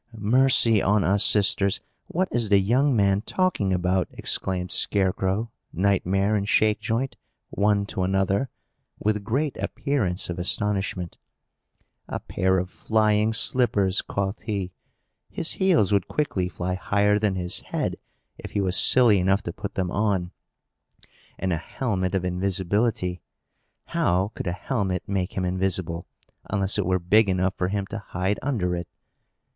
"Mercy on us, sisters! what is the young man talking about?" exclaimed Scarecrow, Nightmare and Shakejoint, one to another, with great appearance of astonishment. "A pair of flying slippers, quoth he! His heels would quickly fly higher than his head, if he was silly enough to put them on. And a helmet of invisibility! How could a helmet make him invisible, unless it were big enough for him to hide under it?